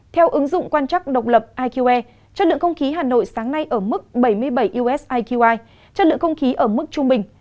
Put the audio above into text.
theo ứng dụng quan trắc độc lập iqe chất lượng không khí hà nội sáng nay ở mức bảy mươi bảy usiqi chất lượng không khí ở mức trung bình